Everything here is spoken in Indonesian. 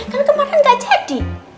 kan kemarin gak jadi